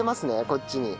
こっちに。